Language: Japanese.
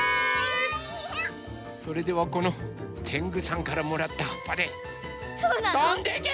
それではこのてんぐさんからもらったはっぱでとんでけ！